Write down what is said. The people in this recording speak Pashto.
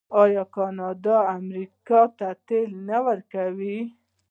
آیا کاناډا امریکا ته تیل نه ورکوي؟